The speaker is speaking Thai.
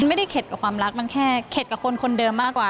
ไม่ได้เข็ดกับความรักมันแค่เข็ดกับคนคนเดิมมากกว่า